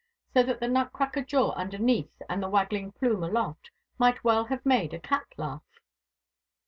So that the nut cracker jaw underneath and the waggling plume aloft might well have made a cat laugh.